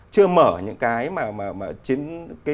chưa mở những cái mà